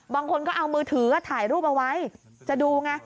บางคนก็เอามือถือถ่ายรูปเอาไว้จะดูไง